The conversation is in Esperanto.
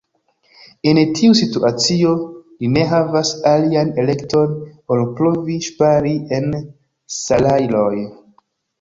En tiu situacio ni ne havas alian elekton ol provi ŝpari en salajroj.